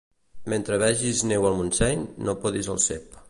Mentre vegis neu al Montseny, no podis el cep.